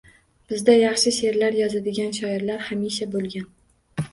Bizda yaxshi she`rlar yozadigan shoirlar hamisha bo`lgan